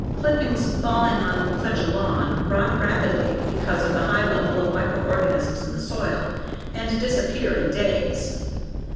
Clippings falling on such a lawn rot rapidly because of the high level of microorganisms in the soil, and disappear in days.